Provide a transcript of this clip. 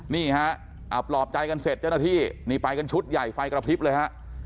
นี่ฮะเอาปลอบใจกันเสร็จเจ้าหน้าที่นี่ไปกันชุดใหญ่ไฟกระพริบเลยฮะ